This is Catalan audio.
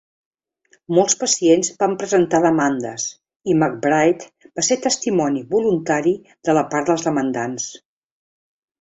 Molts pacients van presentar demandes, i McBride va ser testimoni voluntari de la part dels demandants.